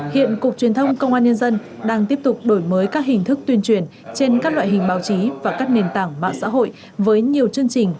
hiện cục truyền thông công an nhân dân đang tiếp tục đổi mới các hình thức tuyên truyền trên các loại hình báo chí và các nền tảng mạng xã hội với nhiều chương trình